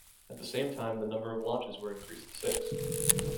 At the same time, the number of launchers were increased to six.